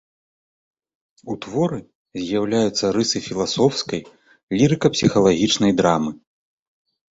У творы з'яўляюцца рысы філасофскай, лірыка-псіхалагічнай драмы.